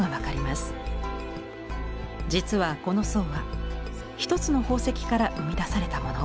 実はこの層は一つの宝石から生み出されたもの。